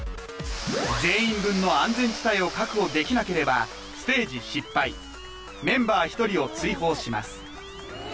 全員分の安全地帯を確保できなければステージ失敗メンバー１人を追放します